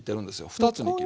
２つに切る。